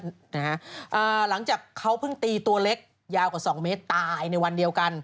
อ๋อคุณขามาเหลือ๑๐เมตรหลังจากเขาเพิ่งตีตัวเล็กยาวกว่า๒เมตรตายในวันเดียวกัน